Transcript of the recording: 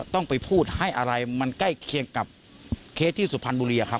ต้องไปพูดให้อะไรมันใกล้เคียงกับเคสที่สุพรรณบุรีอะครับ